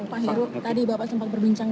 pak heru tadi bapak sempat berbincang